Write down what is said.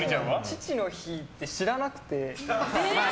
父の日って知らなくて。